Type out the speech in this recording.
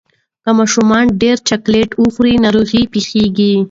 که ماشومان ډیر چاکلېټ وخوري، ناروغي پېښېږي.